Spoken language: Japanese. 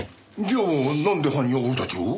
じゃあなんで犯人は俺たちを？